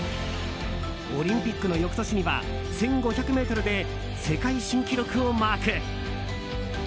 オリンピックの翌年には１５００ｍで世界新記録をマーク。